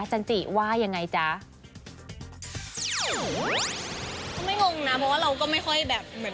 ก็ไม่งงนะเพราะว่าเราก็ไม่ค่อยแบบ